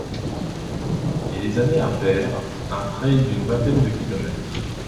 Et les années impaires, un trail d'une vingtaine de kilomètres.